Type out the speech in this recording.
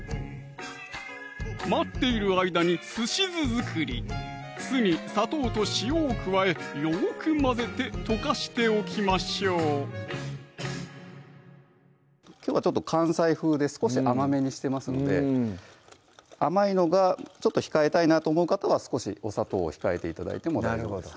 待っている間にすし酢作り酢に砂糖と塩を加えよく混ぜて溶かしておきましょうきょうは関西風で少し甘めにしてますので甘いのが控えたいなと思う方は少しお砂糖を控えて頂いても大丈夫です